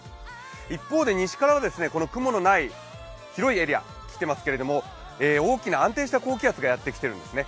一方、西からはこの雲のない広いエリアが来ていますけど、大きな安定した高気圧がやってきているんですね。